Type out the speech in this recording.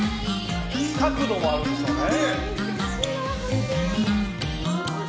角度もあるんでしょうね。